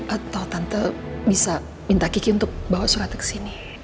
atau tante bisa minta kiki untuk bawa suratnya kesini